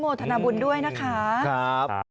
อนุโมทนาบุญด้วยนะครับ